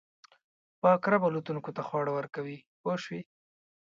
پاک رب الوتونکو ته خواړه ورکوي پوه شوې!.